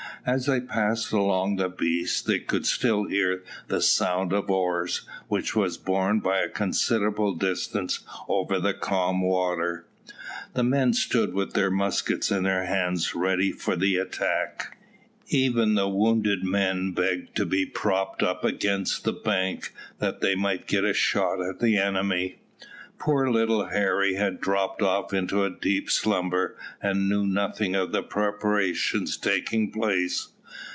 As they passed along the beach, they could still hear the sound of oars, which was borne for a considerable distance over the calm water. The men stood with their muskets in their hands ready for the attack. Even the wounded men begged to be propped up against the bank that they might get a shot at the enemy. Poor little Harry had dropped off into a deep slumber, and knew nothing of the preparations taking place.